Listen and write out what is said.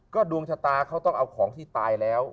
ก็ดวงชะตาเขาต้องเอาของที่ตายแล้ว